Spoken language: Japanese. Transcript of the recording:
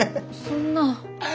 そんな。